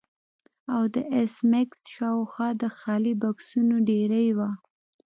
او د ایس میکس شاوخوا د خالي بکسونو ډیرۍ وه